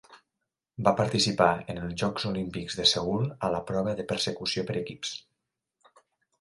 Va participar en els Jocs Olímpics de Seül a la prova de Persecució per equips.